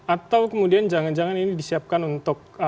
atau kemudian jangan jangan ini disiapkan untuk